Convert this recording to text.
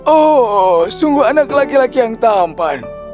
oh sungguh anak laki laki yang tampan